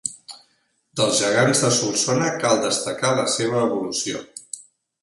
Dels gegants de Solsona cal destacar la seva evolució.